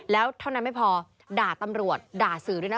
แล้วเท่านั้นไม่พอด่าตำรวจด่าสื่อด้วยนะ